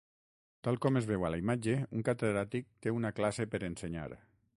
Tal com es veu a la imatge, un Catedràtic "té una" classe per ensenyar.